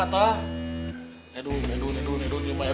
saya juga kaget dengarnya ya